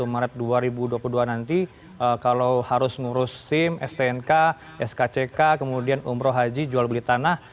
dua puluh maret dua ribu dua puluh dua nanti kalau harus ngurus sim stnk skck kemudian umroh haji jual beli tanah